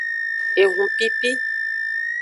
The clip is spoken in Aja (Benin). Ehupipi.